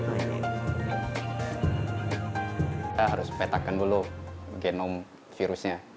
kita harus petakan dulu genom virusnya